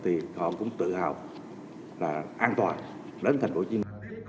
khi đến thì họ cũng tự hào là an toàn đến tp hcm